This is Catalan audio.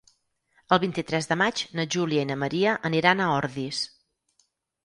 El vint-i-tres de maig na Júlia i na Maria aniran a Ordis.